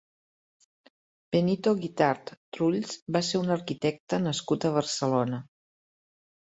Benito Guitart Trulls va ser un arquitecte nascut a Barcelona.